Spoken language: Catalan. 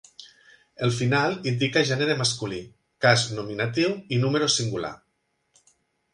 El final indica gènere masculí, cas nominatiu i número singular.